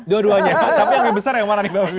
dua duanya tapi yang lebih besar yang mana nih mbak wiwi